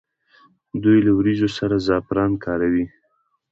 دوی له وریجو سره زعفران کاروي.